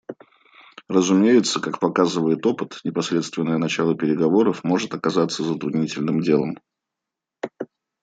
Разумеется, как показывает опыт, непосредственное начало переговоров может оказаться затруднительным делом.